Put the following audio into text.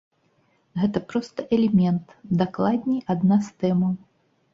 Гэта проста элемент, дакладней адна з тэмаў.